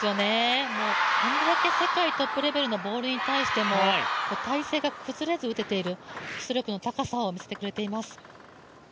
これだけ世界トップレベルのボールに対しても体勢が崩れず打てている基礎力の高さを見せています。